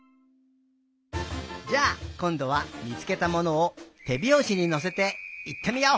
じゃあこんどはみつけたものをてびょうしにのせていってみよう！